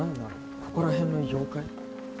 ここら辺の妖怪？